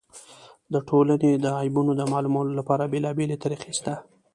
د ټولني د عیبونو د معلومولو له پاره بېلابېلې طریقي سته.